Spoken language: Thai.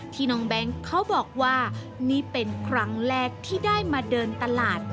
น้องแบงค์เขาบอกว่านี่เป็นครั้งแรกที่ได้มาเดินตลาด